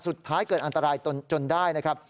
สุดท้ายเกิดอันตรายจนได้นะครับ